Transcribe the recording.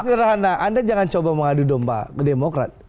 sederhana anda jangan coba mengadu domba ke demokrat